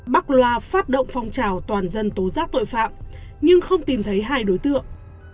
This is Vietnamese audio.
bắc loa phát động phong trào toàn dân tố giác tội phạm nhưng không tìm thấy hai đối tượng